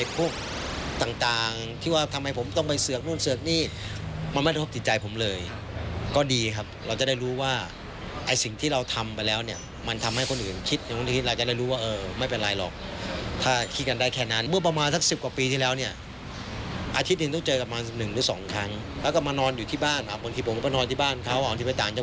คุณวินบริษฐ์เคยให้สัมภาษณ์ไว้ในรายการรายการหนึ่งนะคะ